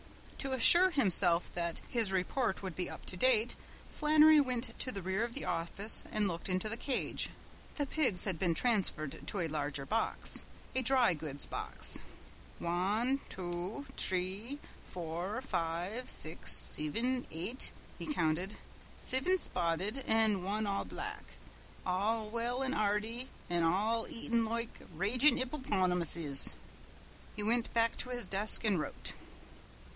To assure himself that his report would be up to date, Flannery went to the rear of the office and looked into the cage. The pigs had been transferred to a larger box a dry goods box. "Wan, two, t'ree, four, five, six, sivin, eight!" he counted. "Sivin spotted an' wan all black. All well an' hearty an' all eatin' loike ragin' hippypottymusses. He went back to his desk and wrote.